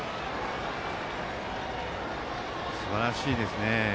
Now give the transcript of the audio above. すばらしいですね。